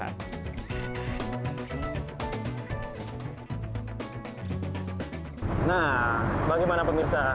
nah bagaimana pemirsa